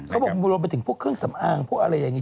เขาบอกรวมไปถึงพวกเครื่องสำอางพวกอะไรอย่างนี้